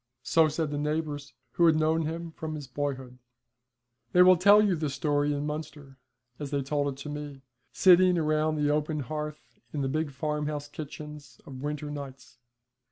So said the neighbours, who had known him from his boyhood. They will tell you this story in Munster, as they told it to me, sitting round the open hearth in the big farmhouse kitchens of winter nights.